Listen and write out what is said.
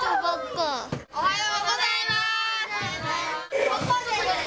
おはようございます！